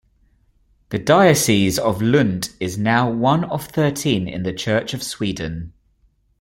The Diocese of Lund is now one of thirteen in the Church of Sweden.